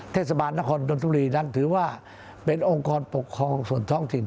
เทศบาลนครดนทบุรีนั้นถือว่าเป็นองค์กรปกครองส่วนท้องถิ่น